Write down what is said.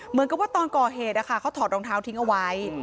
เหมือนกับว่าตอนก่อเหตุเขาถอดรองเท้าทิ้งเอาไว้